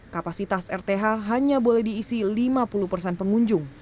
kapasitas rth hanya boleh diisi lima puluh persen pengunjung